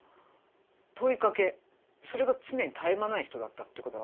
問いかけそれが常に絶え間ない人だったってことが分かるんですよね。